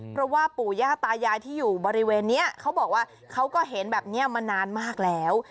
เพราะว่าปู่ย่าตายายที่อยู่บริเวณนี้เขาบอกว่าเขาก็เห็นแบบนี้มานานมากแล้ว